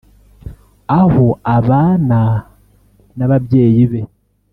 aho abana n’ababyeyi be